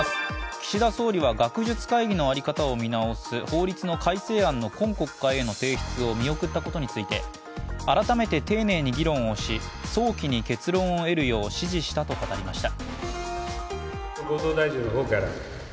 岸田総理は学術会議のあり方を見直す法律の改正案の今国会への提出を見送ったことについて改めて丁寧に議論をし、早期に結論を得るよう指示したと語りました。